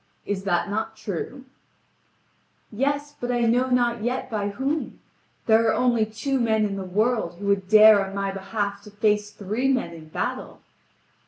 Is that not true:" "Yes, but I know not yet by whom. There are only two men in the world who would dare on my behalf to face three men in battle."